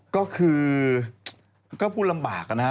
ก็คือก็พูดลำบากนะครับ